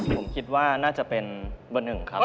ผมคิดว่าน่าจะเป็นบน๑ครับ